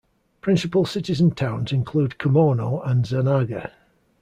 Principal cities and towns include Komono and Zanaga.